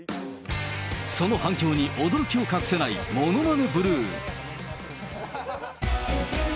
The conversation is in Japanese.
その反響に驚きを隠せないものまねブルー。